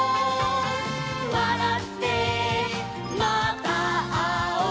「わらってまたあおう」